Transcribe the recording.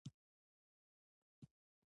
د زده کوونکو د ژوند شرایط مهم دي.